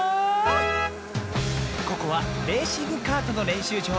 ここはレーシングカートのれんしゅうじょう。